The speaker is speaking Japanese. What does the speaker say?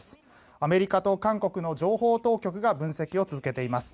アメリカと韓国の情報当局が分析を続けています。